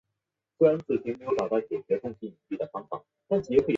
现时业务为主要投资上市和非上市公司企业。